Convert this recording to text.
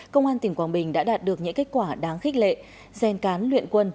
công an tỉnh quảng bình đã đạt được những kết quả đáng khích lệ gen cán luyện quân